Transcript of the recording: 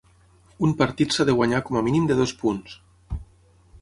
Un partit s'ha de guanyar com a mínim de dos punts.